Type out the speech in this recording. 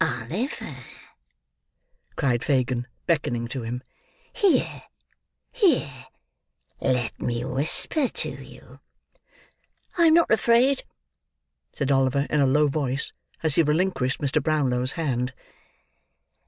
"Oliver," cried Fagin, beckoning to him. "Here, here! Let me whisper to you." "I am not afraid," said Oliver in a low voice, as he relinquished Mr. Brownlow's hand.